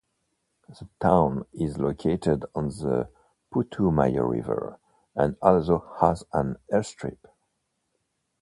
The town is located on the Putumayo River and also has an airstrip.